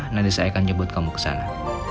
nanti saya akan jebut kamu ke sana